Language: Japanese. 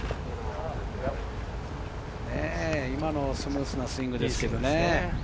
今のスムーズなスイングですけどね。